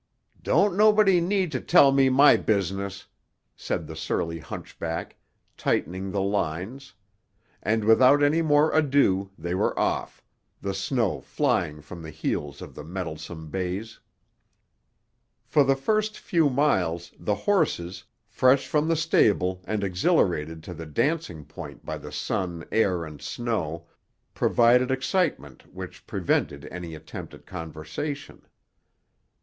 "Don't nobody need to tell me my business," said the surly hunchback, tightening the lines; and without any more ado they were off, the snow flying from the heels of the mettlesome bays. For the first few miles the horses, fresh from the stable and exhilarated to the dancing point by the sun, air and snow, provided excitement which prevented any attempt at conversation.